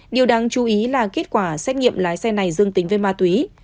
điều đáng chú ý là kết quả xét nghiệm lái xe này dương tính với ma túy